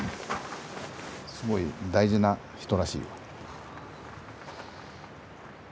すごい大事な人らしいよ。